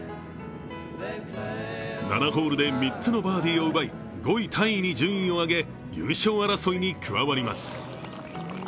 ７ホールで３つのバーディーを奪い、５位タイに順位を上げ、優勝争いに加わります。